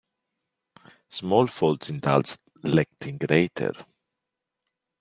Small faults indulged let in greater.